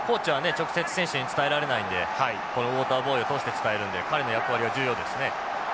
直接選手に伝えられないんでこのウォーターボーイを通して伝えるんで彼の役割は重要ですね。